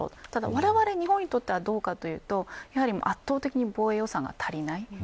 われわれ日本にとってはどうかというと圧倒的に防衛予算が足りません。